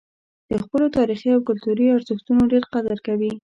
د خپلو تاریخي او کلتوري ارزښتونو ډېر قدر کوي.